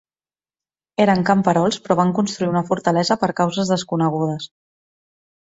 Eren camperols però van construir una fortalesa per causes desconegudes.